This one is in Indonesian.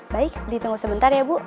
baik ditunggu sebentar ya bu